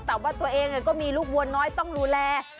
แต่ว่าตัวเองก็มีลูกวัวน้อยต้องดูแล